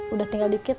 udah tinggal dikit